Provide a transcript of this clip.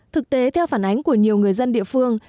thực tế theo phản ánh của nhiều người dân địa phương